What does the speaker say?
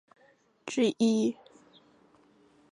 是室町时代幕府三管领之一。